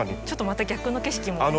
ちょっとまた逆の景色も。